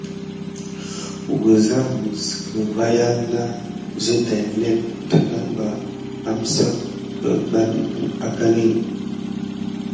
Wəza məs kəvayiŋ na zəw tay nék dəɗəne ɓa, amsak aɗum akani.